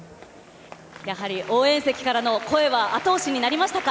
やはり応援席からの声は後押しになりましたか。